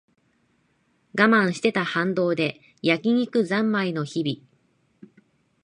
我慢してた反動で焼き肉ざんまいの日々